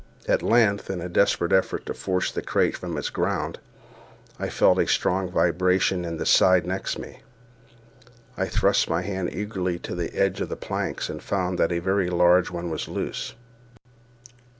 At length, in a desperate effort to force the crate from its ground, I felt a strong vibration in the side next me. I thrust my hand eagerly to the edge of the planks, and found that a very large one was loose.